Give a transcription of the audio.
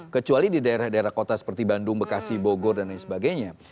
kecuali di daerah daerah kota seperti bandung bekasi bogor dan lain sebagainya